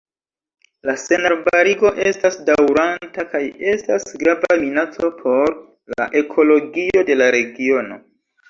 La senarbarigo estas daŭranta kaj estas grava minaco por la ekologio de la regiono.